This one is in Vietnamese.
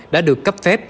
đã được cấp phép